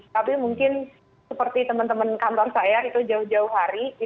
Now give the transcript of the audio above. tapi mungkin seperti teman teman kantor saya itu jauh jauh hari